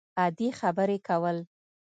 عادي خبرې کول